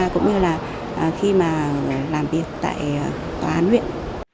cũng như là khi mà làm việc tại tòa án huyện